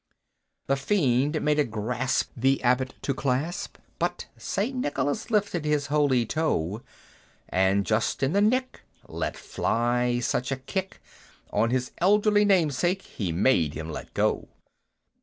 The fiend made a grasp the Abbot to clasp; But St. Nicholas lifted his holy toe, And, just in the nick, let fly such a kick On his elderly namesake, he made him let go.